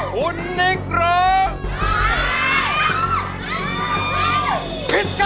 คุณนิคหรือ